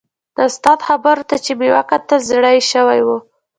د استاد خبرو ته چې مې وکتل زړه یې شوی و.